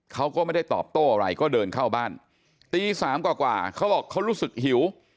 เขาก็ไม่ได้ตอบโต้อะไรก็เดินเข้าบ้านตีสามกว่าเขาบอกเขารู้สึกหิว